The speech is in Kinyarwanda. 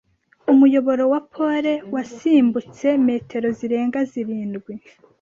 Umuyoboro wa pole wasimbutse metero zirenga zirindwi. .